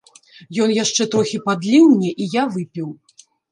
Ён яшчэ трохі падліў мне, і я выпіў.